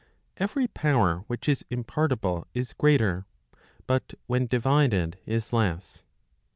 Every power which is impartible is greater, but when divided is less.